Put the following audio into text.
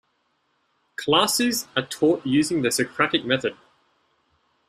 Classes are taught using the Socratic method.